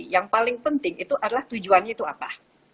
yang paling penting itu adalah tujuannya itu apa